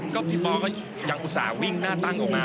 พี่พี่พอร์ก็ยังอุตส่าห์วิ่งหน้าตั้งลงมา